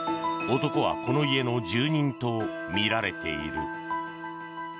男はこの家の住人とみられている。